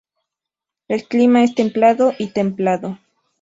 El clima es templado y templado.